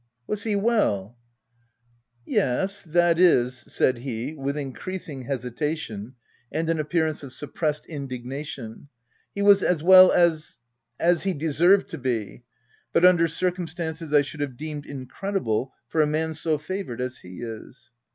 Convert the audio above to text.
" Was he well ?" c< Yes — that is," said he, with increasing he sitation and an appearance of suppressed indig nation, " he was as well as — as he deserved to be, but under circumstances I should have deemed incredible for a man so favoured as he is."